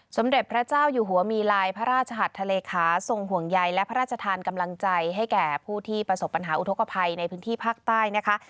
สมเด็จพระเจ้าอยู่หัวมีลายพระราชหัดทะเลขาทรงห่วงใยและพระราชทานกำลังใจให้แก่ผู้ที่ประสบปัญหาอุทธกภัยในพื้นที่ภาคใต้นะคะ